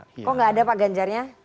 kok nggak ada pak ganjarnya